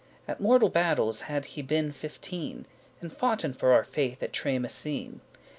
At mortal battles had he been fifteen, And foughten for our faith at Tramissene.